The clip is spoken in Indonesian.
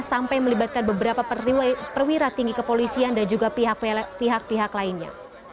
sampai melibatkan beberapa perwira tinggi kepolisian dan juga pihak pihak lainnya